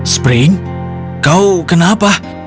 spring kau kenapa